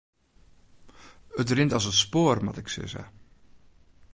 It rint as it spoar moat ik sizze.